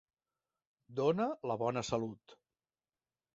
Dóna la bona salut.